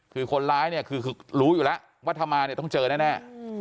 คือคนร้ายเนี่ยคือรู้อยู่แล้วว่าถ้ามาเนี่ยต้องเจอแน่